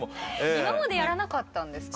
今までやらなかったんですか？